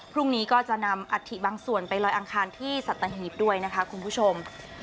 พรุ่งนี้ก็จะนำอัฐิบางส่วนไปลอยอังคารที่สัตหีบด้วยนะคะคุณผู้ชม